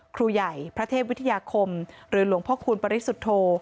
ครูใหญ่พระเทพวิทยาคมหรือหลวงพ่อคูณปริสุทธโธ